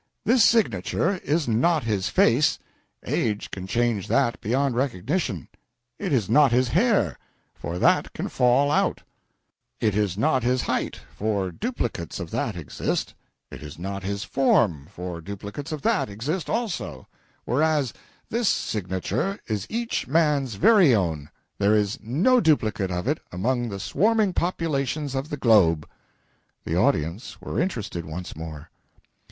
This signature is not his face age can change that beyond recognition; it is not his hair, for that can fall out; it is not his height, for duplicates of that exist; it is not his form, for duplicates of that exist also, whereas this signature is each man's very own there is no duplicate of it among the swarming populations of the globe! [The audience were interested once more.